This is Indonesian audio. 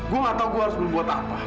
gue gak tau gue harus berbuat apa